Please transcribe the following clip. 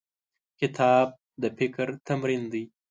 کتاب د فکر تمرین دی.